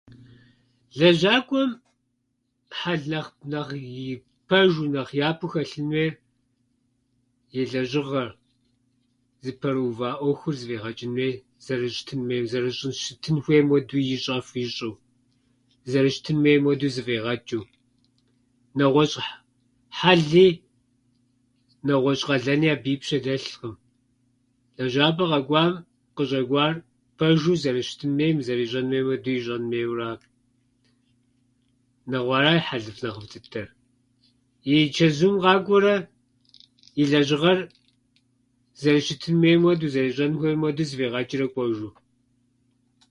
Лэжьакӏуэм хьэл нэхъ- нэхъ и пэжу- нэхъ япэу хэлъын хуейр и лэжьыгъэр, зыпэрыува ӏуэхур зэфӏигъэчӏын хуей зэрыщытын хуей-, зэрыщӏын-щытын хуейм хуэдэу ищӏэфу, ищӏу, зэрыщытын хуейм хуэдэу зэфӏигъэчӏыу. Нэгъуэщӏ хь- хьэли, нэгъуэщӏ къалэни абы и пщэ дэлъкъым. Лэжьапӏэ къэкӏуам къыщӏэкӏуар пэжу зэрыщытын хуейм, зэрищӏэн хуейм хуэдэу ищӏэн хуейуэ ара. нэгъу- Ара хьэлыфӏ нэхъыфӏ дыдэр. И чэзум къакӏуэрэ и лэжьыгъэр зэрыщытын хуейм хуэдэу, зэрыщӏэн хуейм хуэдэу зэфӏигъэчӏрэ кӏуэжу.